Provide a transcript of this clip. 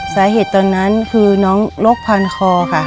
สาเหตุตอนนั้นคือน้องโรคพันคอค่ะ